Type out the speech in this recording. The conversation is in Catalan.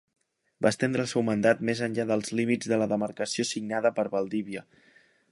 Va estendre el seu mandat més enllà dels límits de la demarcació assignada per Valdivia.